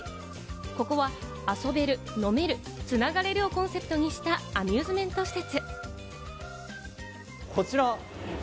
ここは「遊べる・飲める・繋がれる」をコンセプトにしたアミューズメント施設。